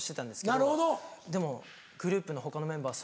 でもグループの他のメンバー